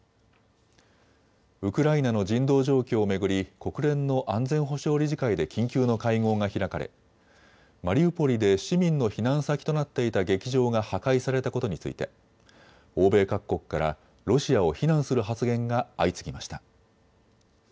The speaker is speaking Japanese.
ウクライナの人道状況を巡り国連の安全保障理事会で緊急の会合が開かれマリウポリで市民の避難先となっていた劇場が破壊されたことについて欧米各国からロシアを非難する発言が相次ぎました。